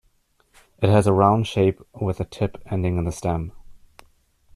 It has a round shape with a tip ending in the stem.